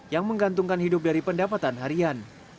yang menggantungkan hidup dari pendapatan harian